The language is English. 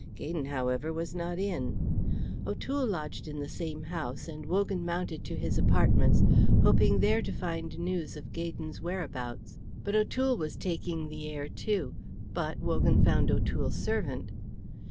Gaydon, however, was not in. O'Toole lodged in the same house, and Wogan mounted to his apartments, hoping there to find news of Gaydon's whereabouts. But O'Toole was taking the air, too, but Wogan found O'Toole's servant.